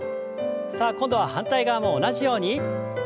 さあ今度は反対側も同じように。